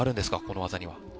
この技には。